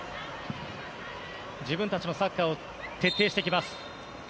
自分たちのサッカーを徹底してきます。